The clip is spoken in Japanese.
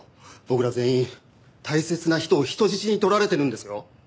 僕ら全員大切な人を人質に取られてるんですよ。